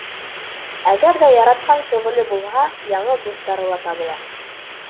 Әгәр ҙә яратҡан шөғөлө булһа, яңы дуҫтары ла табыла.